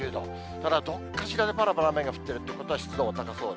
ただどっかしらでぱらぱら雨が降ってるということは、湿度も高そう。